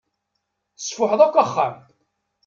Tesfuḥeḍ akk axxam.